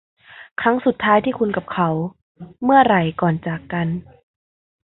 ครั้งสุดท้ายที่คุณกับเขาเมื่อไหร่ก่อนจากกัน